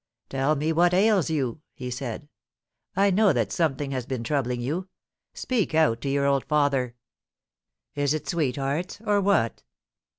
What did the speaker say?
* Tell me what ails you,' he said ;* I know that something has been troubling you. Speak out to your old father. Is it sweethearts or what?